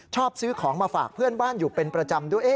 ชอบซื้อของมาฝากเพื่อนบ้านอยู่เป็นประจำด้วย